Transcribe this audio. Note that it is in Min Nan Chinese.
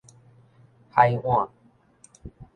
海碗